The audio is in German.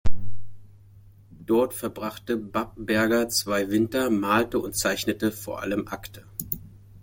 Dort verbrachte Babberger zwei Winter, malte und zeichnete vor allem Akte.